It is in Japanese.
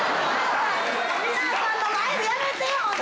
皆さんの前でやめてホント。